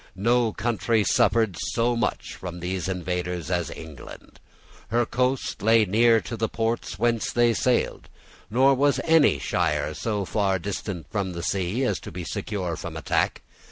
No country suffered so much from these invaders as England. Her coast lay near to the ports whence they sailed; nor was any shire so far distant from the sea as to be secure from attack.